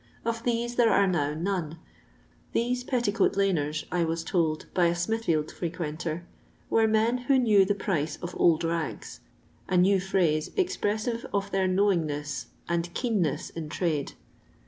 Of these there are now none. These Petticoat laners, I was told by a Smithfield frequenter, were men " who knew the price of old rags," — a new phrase expressire of their knowingness and keenness in trade.